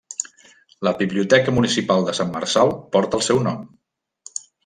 La biblioteca municipal de Sant Marçal porta el seu nom.